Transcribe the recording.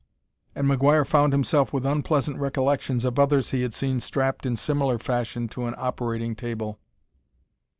And McGuire found himself with unpleasant recollections of others he had seen strapped in similar fashion to an operating table.